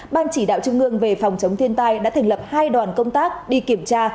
ban chỉ đạo trung ương về phòng chống thiên tai đã thành lập hai đoàn công tác đi kiểm tra